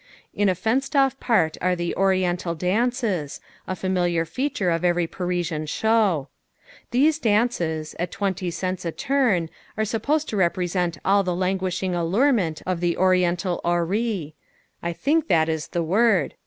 In a fenced off part are the Oriental Dances, a familiar feature of every Parisian Show. These dances at twenty cents a turn are supposed to represent all the languishing allurement of the Oriental houri I think that is the word.